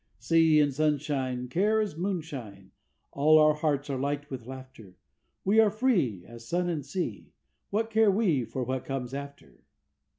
"_Sea and sunshine, Care is moonshine, All our hearts are light with laughter. We are free As sun and sea, What care we for what comes after?"